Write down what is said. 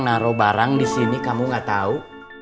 naro barang disini kamu gak tau